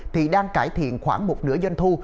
thì đang cải thiện khoảng một nửa doanh thu